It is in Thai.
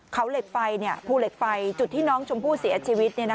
เขาเหล็กไฟภูเหล็กไฟจุดที่น้องชมพู่เสียชีวิต